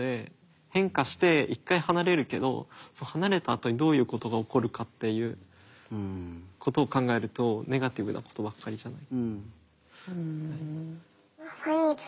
変化して一回離れるけど離れたあとにどういうことが起こるかっていうことを考えるとネガティブなことばっかりじゃない。